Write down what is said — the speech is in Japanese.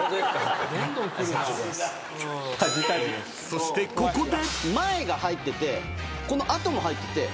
［そしてここで］